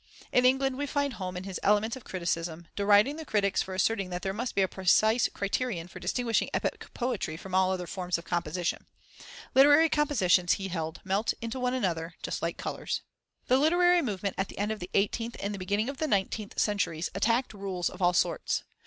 In England we find Home in his Elements of Criticism deriding the critics for asserting that there must be a precise criterion for distinguishing epic poetry from all other forms of composition. Literary compositions, he held, melt into one another, just like colours. The literary movement of the end of the eighteenth and the beginning of the nineteenth centuries attacked rules of all sorts.